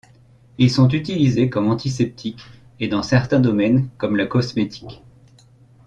Ils sont utilisés comme antiseptiques et dans certains domaines comme la cosmétique.